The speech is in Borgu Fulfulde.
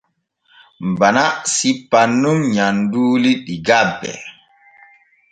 Bana sippan nun nyamduuli ɗi gabbe.